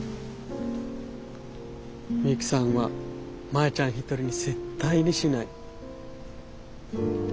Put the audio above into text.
ミユキさんはマヤちゃん一人に絶対にしない。